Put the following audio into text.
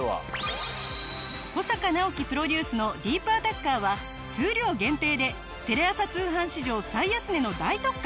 保阪尚希プロデュースのディープアタッカーは数量限定でテレ朝通販史上最安値の大特価！